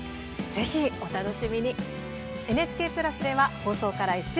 ぜひ、お楽しみに。